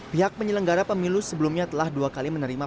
pihak penyelenggara pemilu sebelumnya telah dua kali menerima